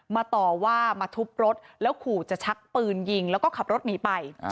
ต่อว่ามาทุบรถแล้วขู่จะชักปืนยิงแล้วก็ขับรถหนีไป